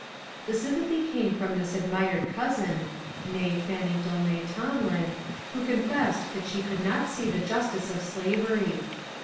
The sympathy came from this admired cousin (nSe Fanny Dulany Tomlin), who con fessed that she could not see the justice of slavery.